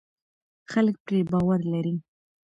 خلک پرې باور لري.